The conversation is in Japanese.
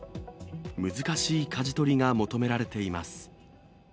難しいかじ取りが求められています。